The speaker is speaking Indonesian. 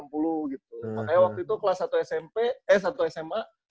makanya waktu itu kelas satu smp s satu sma